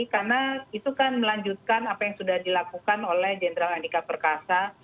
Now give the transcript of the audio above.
karena itu kan melanjutkan apa yang sudah dilakukan oleh jenderal andika perkasa